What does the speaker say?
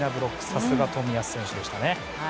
さすが冨安選手でしたね。